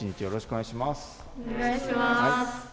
お願いします。